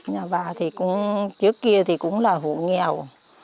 nhà bà trước kia cũng là hộ nghèo